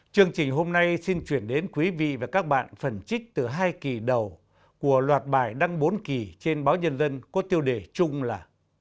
chương trình hôm nay xin chuyển đến quý vị và các bạn phần trích từ hai kỳ đầu của loạt bài đăng bốn kỳ trên báo nhân dân có tiêu đề chung là